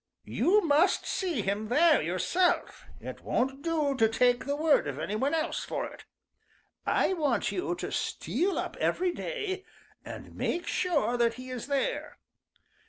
"You must see him there yourself. It won't do to take the word of any one else for it. I want you to steal up every day and make sure that he is there.